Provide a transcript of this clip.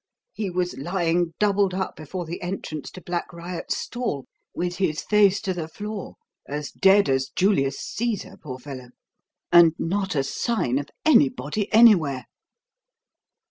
He was lying doubled up before the entrance to Black Riot's stall, with his face to the floor, as dead as Julius Caesar, poor fellow, and not a sign of anybody anywhere."